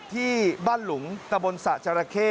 ที่บ้านหลุงกระบวนศจราเข้